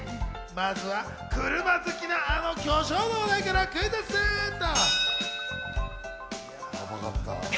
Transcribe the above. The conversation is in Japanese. まずは車好きな、あの巨匠の話題からクイズッスっと！